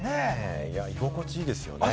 居心地いいですよね。